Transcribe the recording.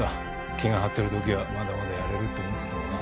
気が張ってる時はまだまだやれるって思っててもな。